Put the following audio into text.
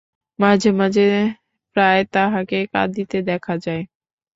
মাঝে মাঝে প্রায় তাঁহাকে কাঁদিতে দেখা যায়।